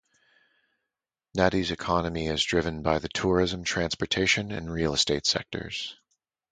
Nadi's economy is driven by the tourism, transportation and real estate sectors.